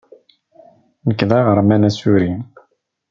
Nekk d aɣerman asuri.